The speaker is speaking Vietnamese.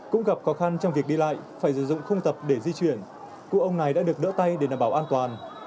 cũng gặp khó khăn trong việc đi lại phải sử dụng khung tập để di chuyển cụ ông này đã được đỡ tay để đảm bảo an toàn